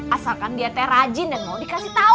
asalkan dia teh rajin dan mau dikasih tahu